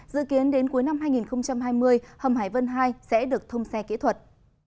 dự kiến đến cuối năm hai nghìn hai mươi hầm hải vân hai sẽ được thông xe kỹ thuật